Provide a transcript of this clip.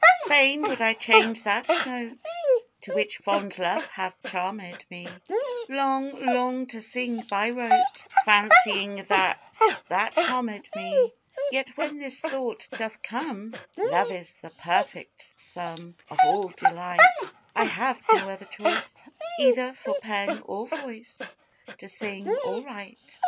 Fain would I change that note To which fond love hath charm'd me, Long, long to sing by rote, Fancying that that harm'd me: Yet when this thought doth come, "Love is the perfect sum Of all delight," I have no other choice Either for pen or voice To sing or write.